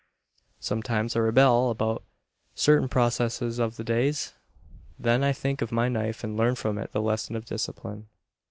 Sometimes I rebel about certain processes of the days, then I think of my knife and learn from it the lesson of discipline.